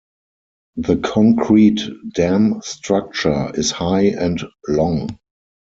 The concrete dam structure is high and long.